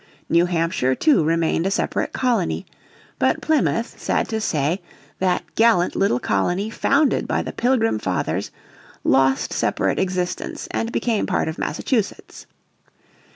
New Hampshire, too, remained a separate colony. But Plymouth, sad to say, that gallant little colony founded by the Pilgrim Fathers lost separate existence and became part of Massachusetts.